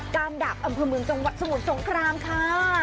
การดับอำเภอเมืองจังหวัดสมุทรสงครามค่ะ